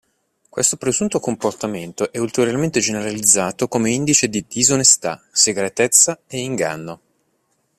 Questo presunto comportamento è ulteriormente generalizzato come indice di disonestà, segretezza e inganno.